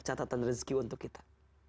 catatan rezeki untuk kita